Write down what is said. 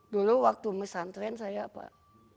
dulu waktu pesantren saya pak